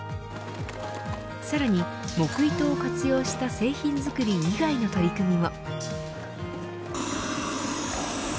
さらに木糸を活用した製品作り以外の取り組みも。